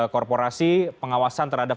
korporasi pengawasan terhadap